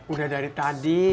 udah dari tadi